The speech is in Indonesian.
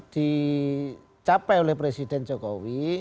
dicapai oleh presiden jokowi